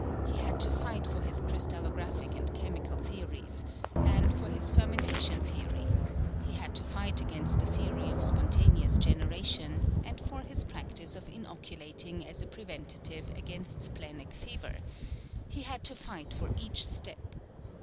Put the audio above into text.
He had to fight for his crystallographic and chemical theories, and for his fermentation theory; he had to fight against the theory of spontaneous generation, and for his practice of inoculating as a preventive against splenic fever; he had to fight for each step.